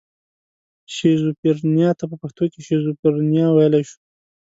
شیزوفرنیا ته په پښتو کې شیزوفرنیا ویلی شو.